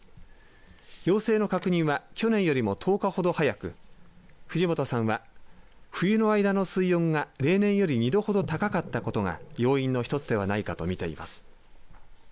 幼生の確認は去年よりも１０日ほど早く藤本さんは、冬の間の水温が例年より２度ほど高かったことが要因の１つではないかと見ています。